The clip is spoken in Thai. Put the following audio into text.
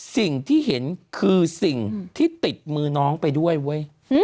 สิ่งที่เห็นคือสิ่งที่ติดมือน้องไปด้วยเว้ย